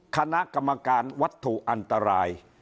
คณะกรรมการวัตถุอันตราย